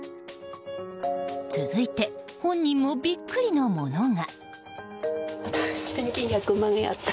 続いて、本人もビックリのものが。